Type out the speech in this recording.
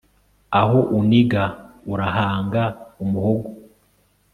aho uniga urahanga umuhogo